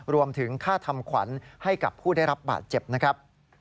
รวมถึงค่าทำขวัญให้กับผู้ได้รับบาดเจ็บนะครับ